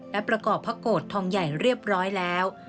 และประกอบพระโกรธทองใหญ่เรียบร้อยแล้ว